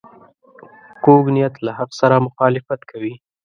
کوږ نیت له حق سره مخالفت کوي